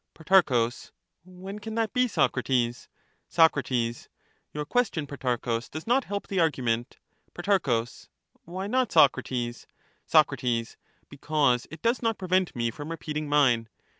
Pro. When can that be, Socrates ? Soc. Your question, Protarchus, does not help the argument. Pro. Why not, Socrates ? Soc. Because it does not prevent me from repeating mine.